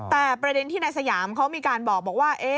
แต่ประเด็นที่นายสยามเขามีการบอกว่า